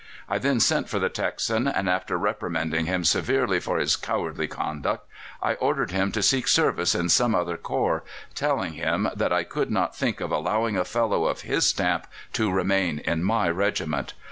I then sent for the Texan, and, after reprimanding him severely for his cowardly conduct, I ordered him to seek service in some other corps, telling him that I could not think of allowing a fellow of his stamp to remain in my regiment.